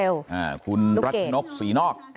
ลูกเกด